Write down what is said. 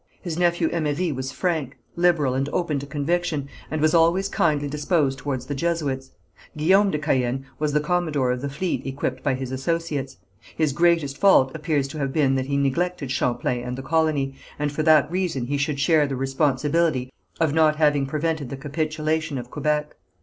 His nephew Emery was frank, liberal and open to conviction, and was always kindly disposed towards the Jesuits. Guillaume de Caën was the commodore of the fleet equipped by his associates. His greatest fault appears to have been that he neglected Champlain and the colony, and for that reason he should share the responsibility of not having prevented the capitulation of Quebec.